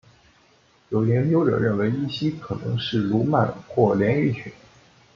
有研究者认为依西可能是鲈鳗或鲢鱼群。